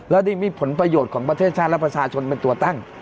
และนี่มีผลประโยชน์ของประเทศชาติและประชาชนเป็นตัวตั้ง